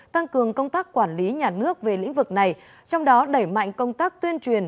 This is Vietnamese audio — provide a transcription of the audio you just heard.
tăng cường công tác quản lý nhà nước về lĩnh vực này trong đó đẩy mạnh công tác tuyên truyền